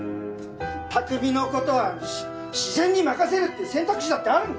拓海のことは自然に任せるって選択肢だってあるんだ